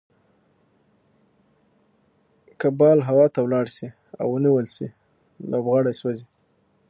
که بال هوا ته ولاړ سي او ونيول سي؛ لوبغاړی سوځي.